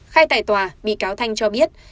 khai tài tòa bị cáo thanh cho biết